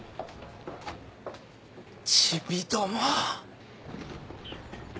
ちびども。